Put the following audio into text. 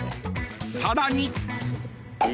［さらに］